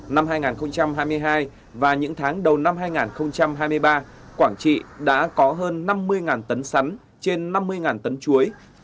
năm hai nghìn hai mươi hai và những tháng đầu năm hai nghìn hai mươi ba quảng trị đã có hơn năm mươi tấn sắn trên năm mươi tấn chuối